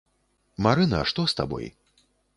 Марына, што з табой?